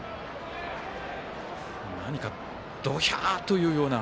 何かドヒャーというような。